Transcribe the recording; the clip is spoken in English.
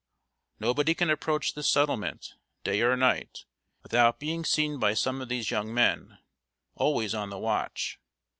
Nobody can approach this settlement, day or night, without being seen by some of these young men, always on the watch.